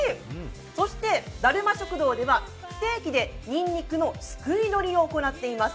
そして、だるま食堂ではにんにくのすくい取りを行っています。